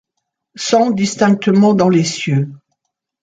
Sent distinctement dans les cieux